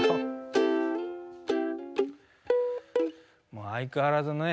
もう相変わらずのね